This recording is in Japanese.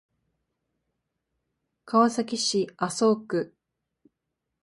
川崎市麻生区